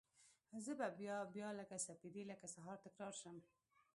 زه به بیا، بیا لکه سپیدې لکه سهار، تکرار شم